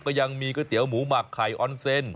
ก็ยังมีก๋วยเตี๋ยวหมูหมักไข่ออนเซน